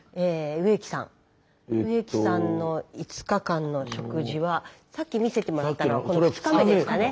植木さんの５日間の食事はさっき見せてもらったのはこの２日目ですかね。